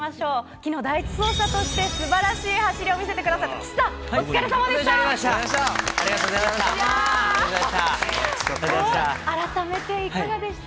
きのう、第１走者としてすばらしい走りを見せてくださった岸さん、お疲れありがとうございました。